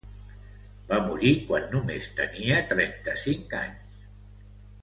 Va morir quan només tenia trenta-cinc anys.